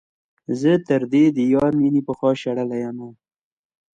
زه ترې د يار مينې پخوا شړلے يمه